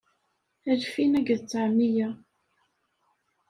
Alfin akked tteɛmiyya.